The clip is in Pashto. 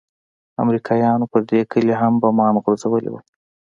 امريکايانو پر دې کلي هم بمان غورځولي وو.